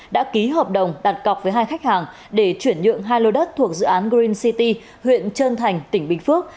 đã ký hợp đồng đặt cọc với hai khách hàng để chuyển nhượng hai lô đất thuộc dự án green city huyện trơn thành tỉnh bình phước